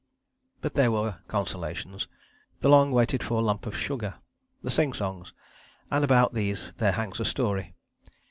But there were consolations; the long waited for lump of sugar: the sing songs and about these there hangs a story.